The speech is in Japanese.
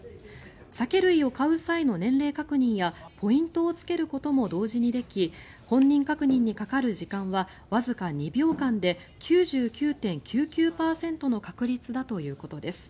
酒類を買う際の年齢確認やポイントをつけることも同時にでき本人確認にかかる時間はわずか２秒間で９９．９９％の確率だということです。